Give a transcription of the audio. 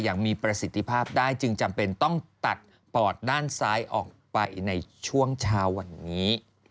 อย่างมีประสิทธิภาพได้จึงจำเป็นต้องตัดปอดด้านซ้ายออกไปในช่วงเช้าวันนี้